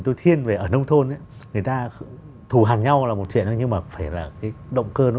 tôi thiên về ở nông thôn người ta thù hẳn nhau là một chuyện thôi nhưng mà phải là cái động cơ nó